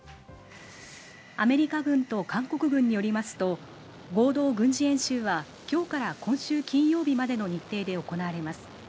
アメリカ軍と韓国軍によりますと合同軍事演習は今日から今週金曜日までの日程で行われます。